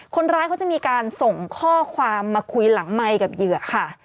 คนร้ายเขาจะมีการส่งข้อความมาคุยหลังไมค์กับเหยื่อค่ะ